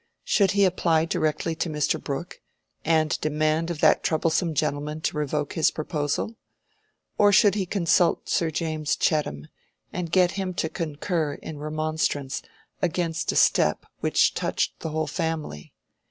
Should he apply directly to Mr. Brooke, and demand of that troublesome gentleman to revoke his proposal? Or should he consult Sir James Chettam, and get him to concur in remonstrance against a step which touched the whole family?